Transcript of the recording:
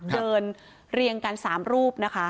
เดินเรียงกัน๓รูป